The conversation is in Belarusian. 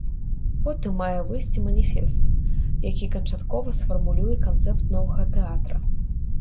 Потым мае выйсці маніфест, які канчаткова сфармулюе канцэпт новага тэатра.